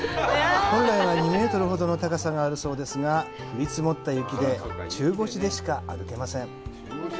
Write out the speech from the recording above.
本来は２メートルほどの高さがあるそうですが降り積もった雪で中腰でしか歩けません。